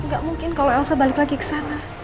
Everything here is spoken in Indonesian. nggak mungkin kalau elsa balik lagi ke sana